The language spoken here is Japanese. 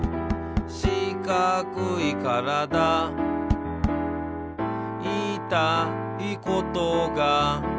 「しかくいからだ」「いいたいことが」